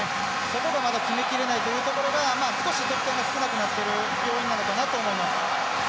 そこが決めきれないというところが少し得点が少なくなっている要因なのかなと思います。